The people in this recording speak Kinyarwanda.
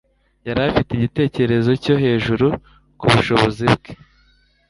Yari afite igitekerezo cyo hejuru kubushobozi bwe.